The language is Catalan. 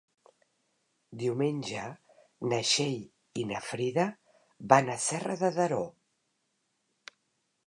Diumenge na Txell i na Frida van a Serra de Daró.